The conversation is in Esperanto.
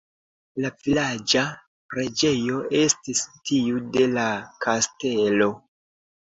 La vilaĝa preĝejo estis tiu de la kastelo.